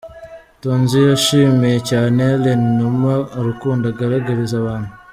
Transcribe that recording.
Tonzi yashimiye cyane Alain Numa urukundo agaragariza abantu.